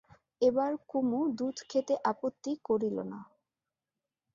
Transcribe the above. এবার কুমু দুধ খেতে আপত্তি করলে না।